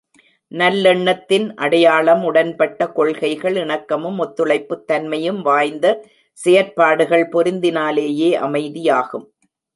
நல்லெண்ணத்தின் அடையாளம் உடன்பட்ட கொள்கைகள் இணக்கமும், ஒத்துழைப்புத் தன்மையும் வாய்ந்த செயற்பாடுகள் பொருந்தினாலேயே அமைதியாகும்.